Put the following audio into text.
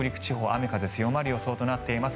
雨風強まる予想となっています。